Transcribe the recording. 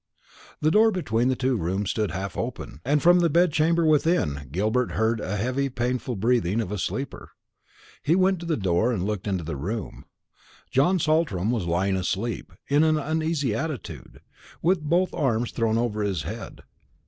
The door between the two rooms stood half open, and from the bedchamber within Gilbert heard the heavy painful breathing of a sleeper. He went to the door and looked into the room. John Saltram was lying asleep, in an uneasy attitude, with both arms thrown over his head.